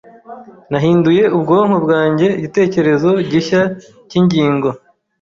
Nahinduye ubwonko bwanjye igitekerezo gishya cyingingo.